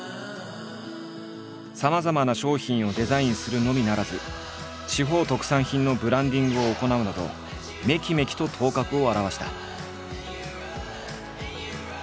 さまざまな商品をデザインするのみならず地方特産品のブランディングを行うなどめきめきと頭角を現した。